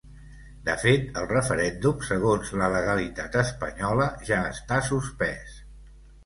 De fet, el referèndum, segons la legalitat espanyola, ja està suspès.